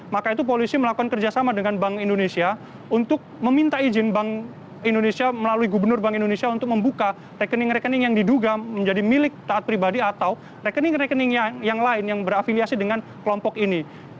maka itu polisi melakukan kerjasama dengan bank indonesia untuk meminta izin bank indonesia melalui gubernur bank indonesia untuk membuka rekening rekening yang diduga menjadi milik taat pribadi atau rekening rekeningnya yang lain yang berafiliasi dengan kelompok ini